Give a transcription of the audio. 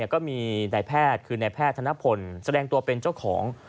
ก็มีนายแพทย์คือนายแพทย์ธนพลแสดงตัวเป็นเจ้าของ